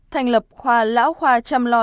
thành lập khoa lão khoa chăm lo